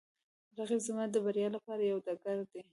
رقیب زما د بریا لپاره یوه ډګر دی